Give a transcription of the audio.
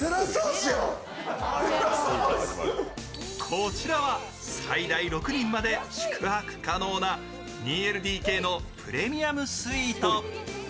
こちらは最大６人まで宿泊可能な２ＬＤＫのプレミアムスイート。